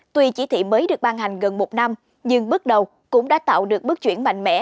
tuy chỉ thị mới được ban hành gần một năm nhưng bước đầu cũng đã tạo được bước chuyển mạnh mẽ